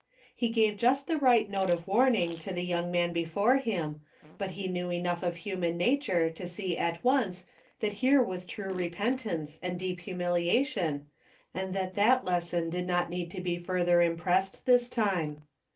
He gave just the right note of warning to the young man before him, but he knew enough of human nature to see at once that here was true repentance, and deep humiliation, and that that lesson did not need to be further impressed this time.